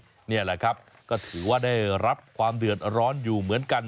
นี่แหละครับก็ถือว่าได้รับความเดือดร้อนอยู่เหมือนกัน